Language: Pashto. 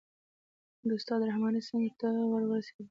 د استاد رحماني څنګ ته ور ورسېدم.